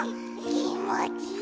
きもちいい。